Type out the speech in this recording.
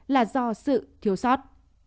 là do sự thiếu sót